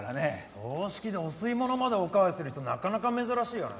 葬式でお吸い物までおかわりする人なかなか珍しいよね。